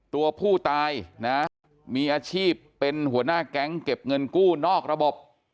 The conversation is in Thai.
ตัวผู้ตายนะมีอาชีพเป็นหัวหน้าแก๊งเก็บเงินกู้นอกระบบ